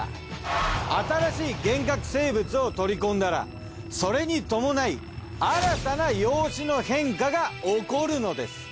新しい原核生物を取り込んだらそれに伴い新たな容姿の変化が起こるのです。